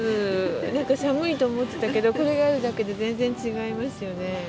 なんか寒いと思ってたけど、これがあるだけで全然違いますよ